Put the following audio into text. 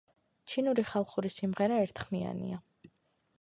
ჩინური ხალხური სიმღერა ერთხმიანია.